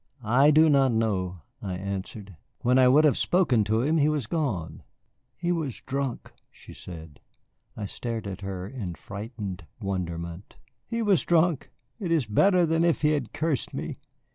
"I do not know," I answered; "when I would have spoken to him he was gone." "He was drunk," she said. I stared at her in frightened wonderment. "He was drunk it is better than if he had cursed me.